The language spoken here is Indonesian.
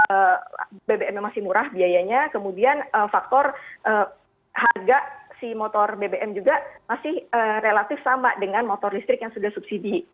kemudian faktor harga si motor bbm juga masih relatif sama dengan motor listrik yang sudah subsidi